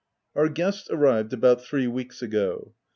Our guests arrived about three weeks ago.